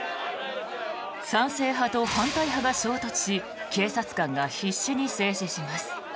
賛成派と反対派が衝突し警察官が必死に制止します。